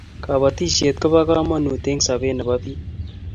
kabatishet kobo kamagut eng sabet nebo bik